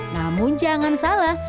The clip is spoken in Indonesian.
namun jangan salah